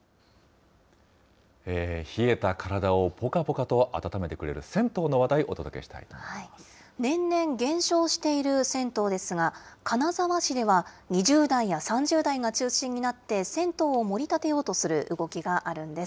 冷えた体をぽかぽかと温めてくれる銭湯の話題、年々減少している銭湯ですが、金沢市では、２０代や３０代が中心になって、銭湯をもり立てようとする動きがあるんです。